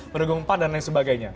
pendukung empat dan lain sebagainya